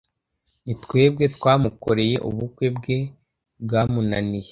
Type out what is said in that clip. Nitwebwe twamukoreye ubukwe bwe bwamunaniye